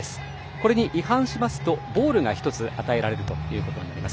これに違反しますとボールが１つ与えられるということになります。